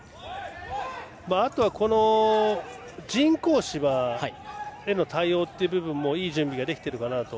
あとは、人工芝への対応という部分もいい準備ができているかなと。